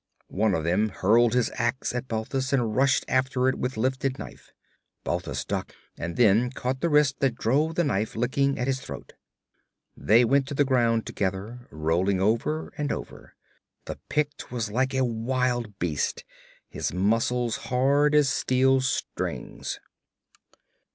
One of them hurled his ax at Balthus and rushed after it with lifted knife. Balthus ducked and then caught the wrist that drove the knife licking at his throat. They went to the ground together, rolling over and over. The Pict was like a wild beast, his muscles hard as steel strings.